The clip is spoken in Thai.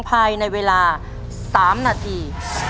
ภายในเวลา๓นาที